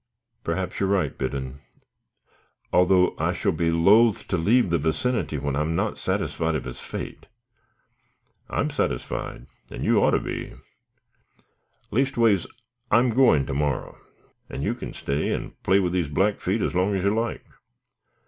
"Perhaps you are right, Biddon, although I shall be loth to leave the vicinity when I am not satisfied of his fate." "I'm satisfied, an' you oughter be. Leastways, I'm goin' to morrow, an' you kin stay and play with these Blackfeet as long as you like.